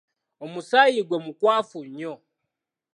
Omusaayi gwe mukwafu nnyo.